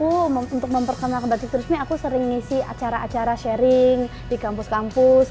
untuk memperkenalkan batik turisme aku sering ngisi acara acara sharing di kampus kampus